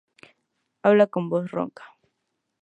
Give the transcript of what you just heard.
Habla con voz ronca.